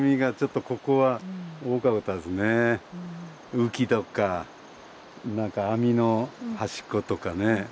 浮きとか何か網の端っことかね。